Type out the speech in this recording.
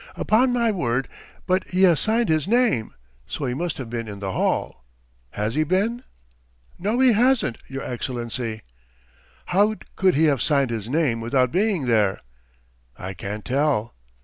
"Upon my word, but he has signed his name! So he must have been in the hall. Has he been?" "No, he hasn't, your Excellency." "How could he have signed his name without being there?" "I can't tell."